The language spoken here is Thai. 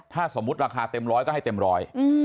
ถ้าสมมุติราคาเต็มร้อยก็ให้เต็มร้อย